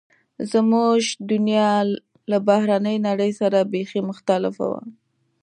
زموږ دنیا له بهرنۍ نړۍ سره بیخي مختلفه وه